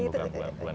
bukan bukan bukan